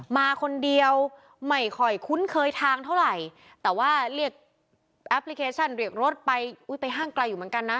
มาคนเดียวไม่ค่อยคุ้นเคยทางเท่าไหร่แต่ว่าเรียกแอปพลิเคชันเรียกรถไปอุ้ยไปห้างไกลอยู่เหมือนกันนะ